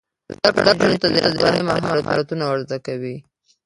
زده کړه نجونو ته د رهبرۍ مهارتونه ور زده کوي.